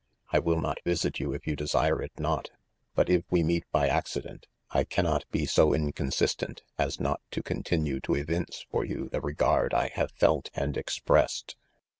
—■ I will not visit you if you desire it not, but if we meet by accident, I cannot be so inconsis tent, as not. to continue to evince for you the regard I have felt and expressed."